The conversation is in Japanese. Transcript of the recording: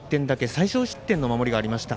最少失点の守りがありました。